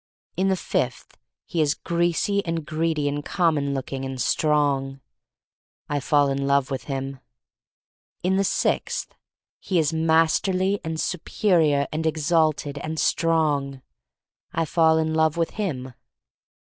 In the fifth he is greasy and greedy and common looking — and strong. I fall in love with him. In the sixth he is masterly and supe rior and exalted — and strong. I fall in love with him.